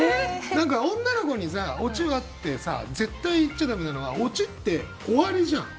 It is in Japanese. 女の子ににオチはって絶対言っちゃダメなのはオチって終わりじゃん。